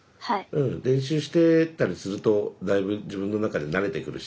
うん練習してたりするとだいぶ自分の中で慣れてくるし。